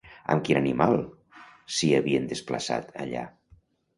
Amb quin animal s'hi havien desplaçat, allà?